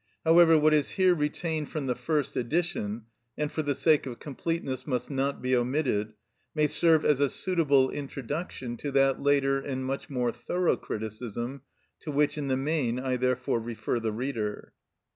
However, what is here retained from the first edition, and for the sake of completeness must not be omitted, may serve as a suitable introduction to that later and much more thorough criticism, to which in the main I therefore refer the reader.